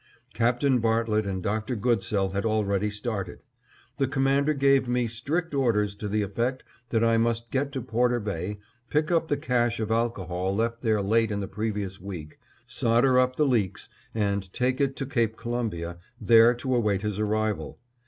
Captain Bartlett and Dr. Goodsell had already started. The Commander gave me strict orders to the effect that I must get to Porter Bay, pick up the cache of alcohol left there late in the previous week, solder up the leaks, and take it to Cape Columbia, there to await his arrival.